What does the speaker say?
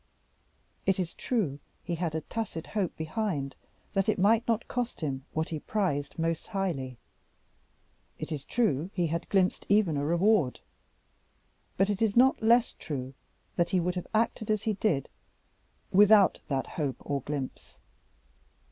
It is true he had a tacit hope behind, that it might not cost him what he prized most highly: it is true he had a glimpse even of reward; but it was not less true that he would have acted as he did without that hope or glimpse.